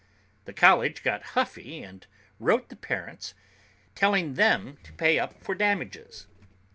The college got huffy and wrote the parents, telling them to pay up for damages.